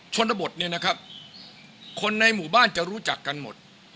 ชนบทเนี่ยนะครับคนในหมู่บ้านจะรู้จักกันหมด